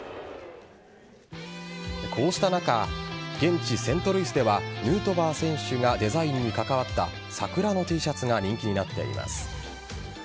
こうした中現地・セントルイスではヌートバー選手がデザインに関わった桜のＴシャツが人気になっています。